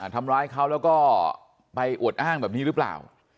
ทำร้ายเขาแล้วก็ไปอวดอ้างแบบนี้หรือเปล่า